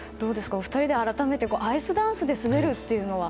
お二人で改めてアイスダンスで滑るっていうのは。